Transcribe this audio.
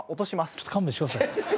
ちょっと勘弁してください。